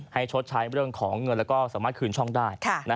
ชดใช้เรื่องของเงินแล้วก็สามารถคืนช่องได้